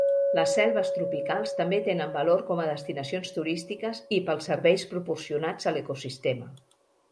Les selves tropicals també tenen valor com a destinacions turístiques i pels serveis proporcionats a l'ecosistema.